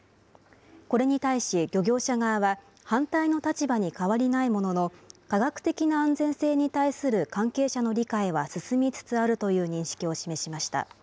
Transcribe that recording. これに対し漁業者側は、反対の立場に変わりないものの、科学的な安全性に対する関係者の理解は進みつつあるという認識を示しました。